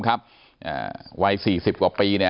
วัย๔๐กว่าปี